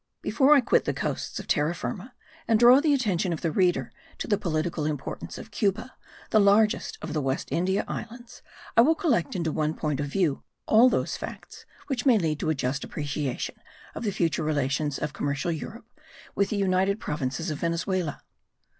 Before I quit the coasts of Terra Firma and draw the attention of the reader to the political importance of Cuba, the largest of the West India Islands, I will collect into one point of view all those facts which may lead to a just appreciation of the future relations of commercial Europe with the united Provinces of Venezuela.